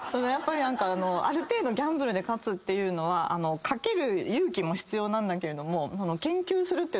やっぱり何かある程度ギャンブルで勝つっていうのは賭ける勇気も必要なんだけれども。